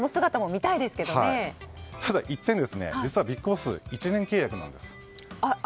ただ、一点実はＢＩＧＢＯＳＳ１年契約なんです。